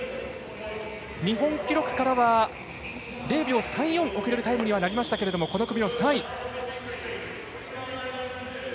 日本記録からは０秒３４遅れるタイムにはなりましたけれどもこの組の３位。